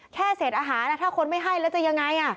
แค่เศษอาหารถ้าคนไม่ให้แล้วจะยังไง